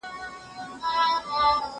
زه قلمان پاک کړي دي،